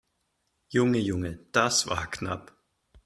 Junge, Junge, das war knapp!